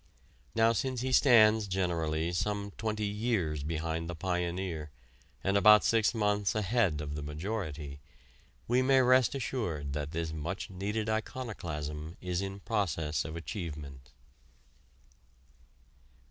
Now since he stands generally some twenty years behind the pioneer and about six months ahead of the majority, we may rest assured that this much needed iconoclasm is in process of achievement.